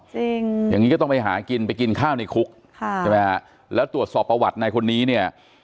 จริงอย่างนี้ก็ต้องไปหากินไปกินข้าวในคุกค่ะใช่ไหมฮะแล้วตรวจสอบประวัติในคนนี้เนี่ย